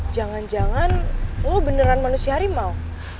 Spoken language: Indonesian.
jangan jangan lo beneran manusia harimau